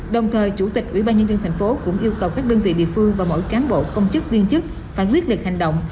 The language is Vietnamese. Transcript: đồng thời chủ tịch ủy ban nhân dân thành phố cũng yêu cầu các đơn vị địa phương và mỗi cán bộ công chức viên chức phải quyết liệt hành động